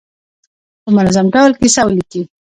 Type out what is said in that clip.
په منظم ډول کیسه ولیکي.